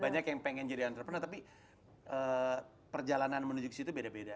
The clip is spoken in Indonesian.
banyak yang pengen jadi entrepreneur tapi perjalanan menuju ke situ beda beda